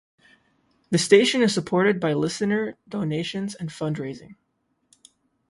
The station is supported by listener donations and fundraising.